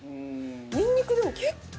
ニンニクでも結構。